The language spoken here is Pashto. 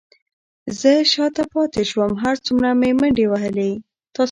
زه شاته پاتې شوم، هر څومره مې منډې وهلې،